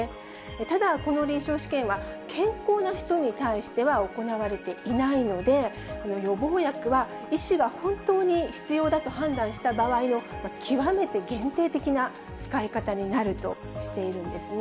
ただ、この臨床試験は、健康な人に対しては行われていないので、予防薬は、医師が本当に必要だと判断した場合の極めて限定的な使い方になるとしているんですね。